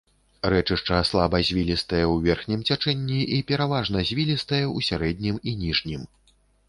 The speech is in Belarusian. Рэчышча слаба звілістае ў верхнім цячэнні і пераважна звілістае ў сярэднім і ніжнім.